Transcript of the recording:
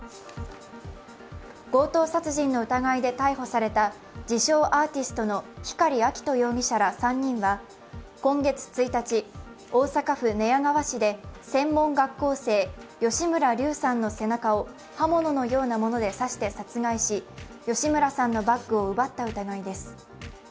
強盗殺人の疑いで逮捕された自称アーティストの光亮斗容疑者ら３人は今月１日、大阪府寝屋川市で専門学校生、吉村竜さんの背中を刃物のようなもので刺して殺害し吉村さんのバッグを奪った疑いです。